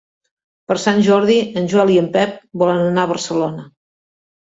Per Sant Jordi en Joel i en Pep volen anar a Barcelona.